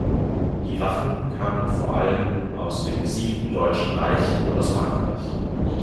Die Waffen kamen vor allem aus dem besiegten Deutschen Reich und aus Frankreich.